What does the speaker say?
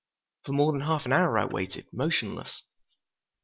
For more than half an hour I waited, motionless.